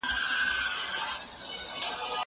زه کولای سم سبا ته فکر وکړم.